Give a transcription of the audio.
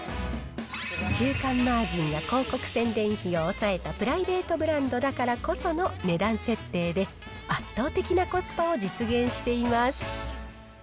中間マージンや広告宣伝費を抑えたプライベートブランドだからこその値段設定で、圧倒的なコスパを実現しています。